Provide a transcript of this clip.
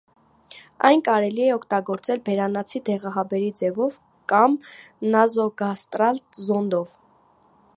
Այն կարելի է օգտագործել բերանացի դեղահաբերի ձևով կամ նազոգաստրալ զոնդով։